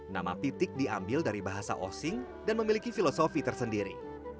nama pitik diambil dari bahasa osing dan memiliki filosofi tersendiri